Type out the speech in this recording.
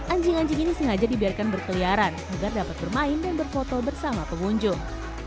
anjing anjing ini sengaja dibiarkan berkeliaran agar dapat bermain dan berfoto bersama pengunjung